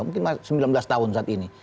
mungkin sembilan belas tahun saat ini